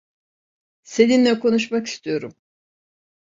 Seninle konuşmak istiyorum.